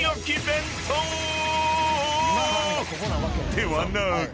［ではなく］